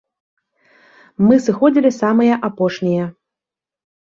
Мы сыходзілі самыя апошнія.